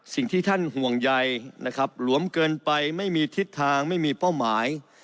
สิ่งที่ท่านห่วงใยนะครับหลวมเกินไปไม่มีทิศทางไม่มีเป้าหมาย